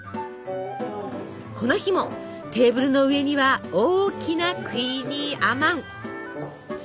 この日もテーブルの上には大きなクイニーアマン。